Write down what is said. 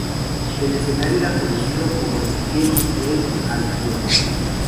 El escenario era conocido como el Field del Albion.